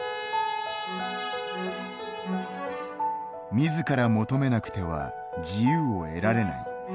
自ら求めなくては自由を得られない。